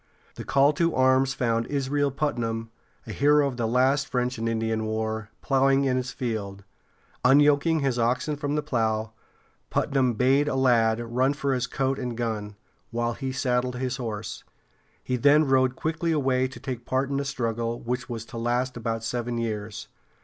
The call to arms found Israel Putnam a hero of the last French and Indian War plowing in his field. Unyoking his oxen from the plow, Putnam bade a lad run for his coat and gun, while he saddled his horse. He then rode quickly away to take part in the struggle, which was to last about seven years.